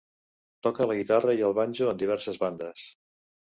Toca la guitarra i el banjo en diverses bandes.